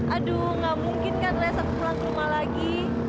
aduh gak mungkin kan les aku pulang ke rumah lagi